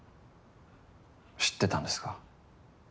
知ってたんですか。